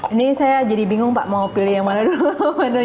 ini saya jadi bingung pak mau pilih yang mana dulu